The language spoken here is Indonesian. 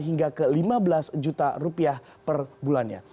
hingga ke lima belas juta rupiah per bulannya